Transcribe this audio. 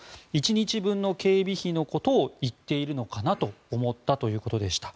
１日分の警備費のことを言っているのかなと思ったということでした。